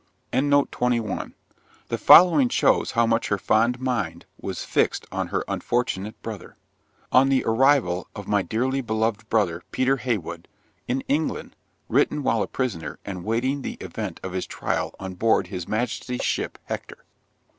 The following shows how much her fond mind was fixed on her unfortunate brother: _On the Arrival of my dearly beloved Brother, Peter Heywood, in England, written while a Prisoner, and waiting the Event of his Trial on board his Majesty's Ship 'Hector.'